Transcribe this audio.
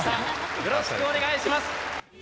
よろしくお願いします。